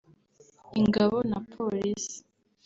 ingabo na Polisi